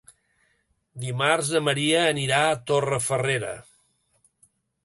Dimarts na Maria anirà a Torrefarrera.